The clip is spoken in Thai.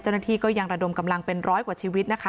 เจ้าหน้าที่ก็ยังระดมกำลังเป็นร้อยกว่าชีวิตนะคะ